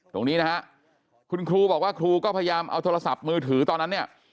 ตรงนี้นะฮะคุณครูบอกว่าครูก็พยายามเอาโทรศัพท์มือถือตอนนั้นเนี่ย